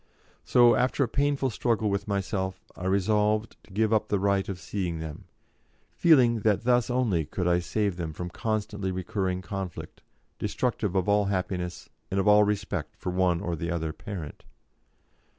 So, after a painful struggle with myself, I resolved to give up the right of seeing them, feeling that thus only could I save them from constantly recurring conflict, destructive of all happiness and of all respect for one or the other parent.